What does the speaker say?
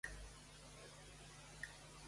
Per demà segurament hauré fet suquet d'escrita